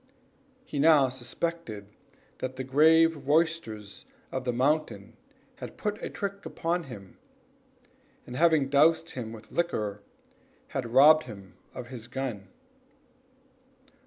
He now suspected that the grave roisterers of the mountain had put a trick upon him, and, having dosed him with liquor, had robbed him of his gun.